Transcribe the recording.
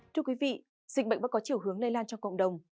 thưa quý vị dịch bệnh đã có chiều hướng lây lan trong cộng đồng